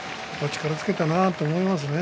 力をつけたなと思いますね。